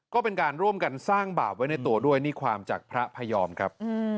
ก็เป็นการร่วมกันสร้างบาปไว้ในตัวด้วยนี่ความจากพระพยอมครับ